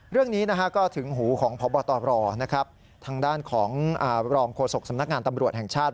เรื่องนี้ก็ถึงหูของพบตรทางด้านของรองโฆษกสำนักงานตำรวจแห่งชาติ